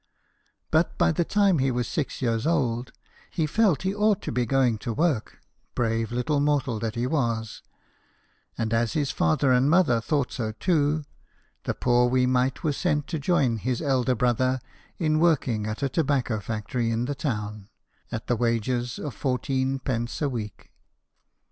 But by the time he was six years old, he felt he ought to be going to work, brave little mortal that he was ; and as his father and mother thought so too, the poor wee mite was sent to join his elder brother in working at a tobacco factory in the town, at the wages of fourteen pence a week.